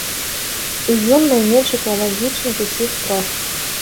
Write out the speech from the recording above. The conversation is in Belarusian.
І ён найменш экалагічны з усіх трох.